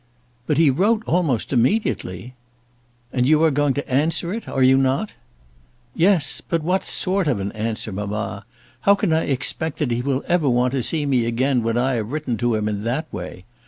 "But he wrote almost immediately." "And you are going to answer it; are you not?" "Yes; but what sort of an answer, mamma? How can I expect that he will ever want to see me again when I have written to him in that way?